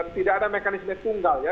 tidak ada mekanisme tunggal ya